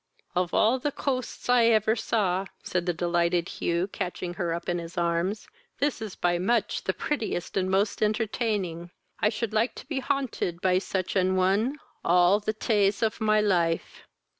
"Of all the chosts I ever saw, (said the delighted Hugh, catching her up in his arms,) this is by much the prettiest and most entertaining. I should like to be haunted by such an one all the tays of my life."